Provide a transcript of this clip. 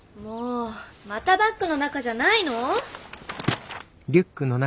またバッグの中じゃないの？